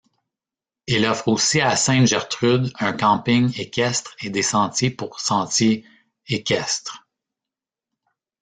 Il offre aussi à Sainte-Gertrude un camping équestre et des sentiers pour sentiers équestres.